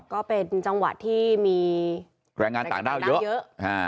ก็เป็นจังหวะที่มีแรงงานต่างด้าวเยอะ